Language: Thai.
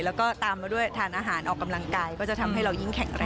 แล้วก็ตามมาด้วยทานอาหารออกกำลังกายก็จะทำให้เรายิ่งแข็งแรง